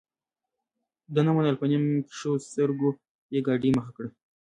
ده نه منله په نیم کښو سترګو یې ګاډۍ مخ کړه.